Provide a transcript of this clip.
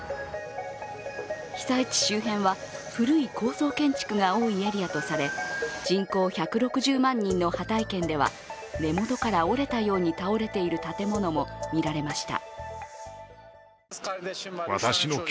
被災地周辺は古い高層建築が多いエリアとされ、人口１６０万人のハタイ県では根元から折れたように倒れている建物もみられました。